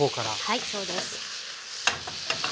はいそうです。